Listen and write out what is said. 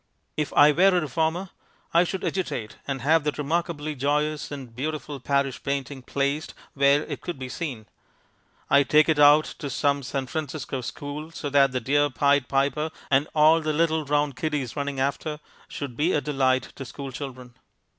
If I were a reformer I should agitate and have that remarkably joyous and beautiful Parrish painting placed where it could be seen. I'd take it out to some San Francisco school so that the dear Pied Piper and all the little round kiddies running after should be a delight to school children.